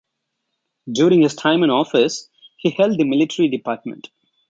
During his time in office he held the Military Department.